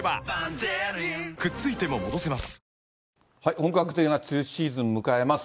本格的な梅雨シーズンを迎えます。